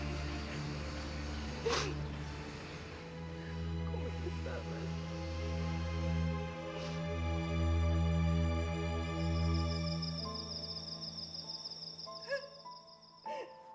aku menyesal mas